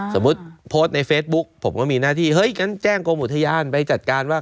สมมุติโพสต์ในเฟซบุ๊กผมก็มีหน้าที่เฮ้ยงั้นแจ้งกรมอุทยานไปจัดการว่า